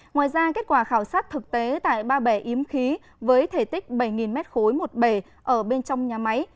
ngoài ra kết quả khảo sát thực tế tại ba bể yếm khí với thể tích bảy m ba một bể ở bên trong nhà máy